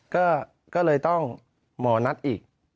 ก็เลยต้องหมอนัดอีก